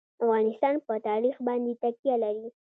افغانستان په تاریخ باندې تکیه لري.